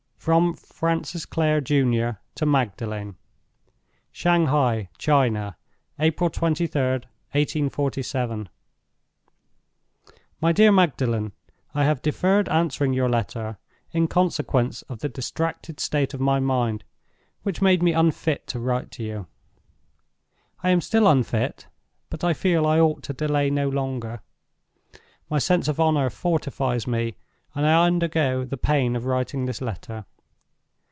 From Francis Clare, Jun., to Magdalen. "Shanghai, China, "April 23d, 1847. "MY DEAR MAGDALEN, "I have deferred answering your letter, in consequence of the distracted state of my mind, which made me unfit to write to you. I am still unfit, but I feel I ought to delay no longer. My sense of honor fortifies me, and I undergo the pain of writing this letter.